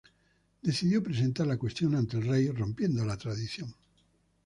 Decidió presentar la cuestión ante el rey, rompiendo la tradición.